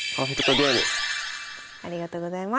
ありがとうございます。